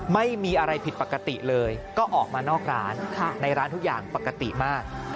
ไม่มีอะไรผิดปกติเลยก็ออกมานอกร้านในร้านทุกอย่างปกติมาก